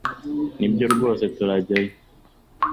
nibyo rwose turajyayo